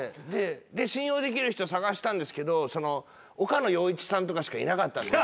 で信用できる人探したんですけど岡野陽一さんとかしかいなかったんで。